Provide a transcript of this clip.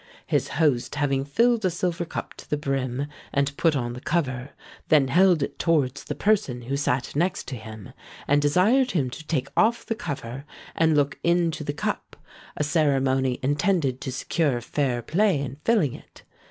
"His host having filled a silver cup to the brim, and put on the cover, then held it towards the person who sat next to him, and desired him to take off the cover, and look into the cup, a ceremony intended to secure fair play in filling it.